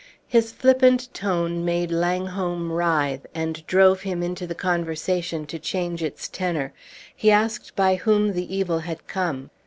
His flippant tone made Langholm writhe, and drove him into the conversation to change its tenor. He asked by whom the evil had come.